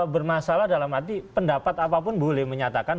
bermasalah dalam arti pendapat apapun boleh menyatakan